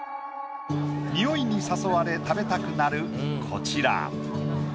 匂いに誘われ食べたくなるこちら。